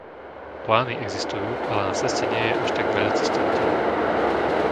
Plány existujú, ale na ceste nie je až tak veľa cestovateľov.